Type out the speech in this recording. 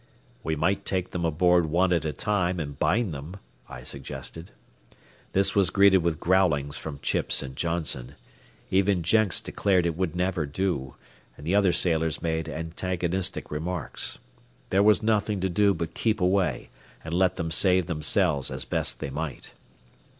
"We might take them aboard one at a time and bind them," I suggested. This was greeted with growlings from Chips and Johnson. Even Jenks declared it would never do, and the other sailors made antagonistic remarks. There was nothing to do but keep away and let them save themselves as best they might.